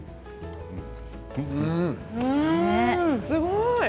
すごい。